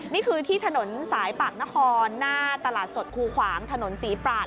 นี่คือที่ถนนสายปากนครหน้าตลาดสดคูขวางถนนศรีปราศ